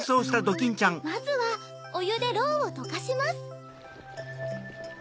まずはおゆでロウをとかします。